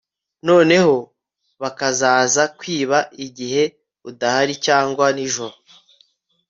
noneho bakazaza kwiba igihe udahari cyangwa nijoro.